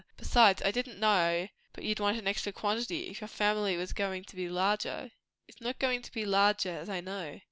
Besides, I didn't know but you'd want an extra quantity, if your family was goin' to be larger." "It is not going to be larger, as I know."